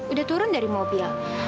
udah turun dari mobil